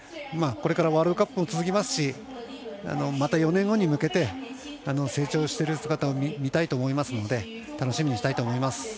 これからワールドカップも続きますしまた４年後に向けて成長してる姿を見たいと思いますので楽しみにしたいと思います。